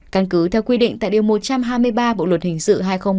căn cứ theo quy định tại điều một trăm hai mươi ba bộ luật hình sự hai nghìn một mươi năm